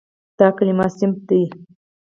دا کلمه "صنف" ده.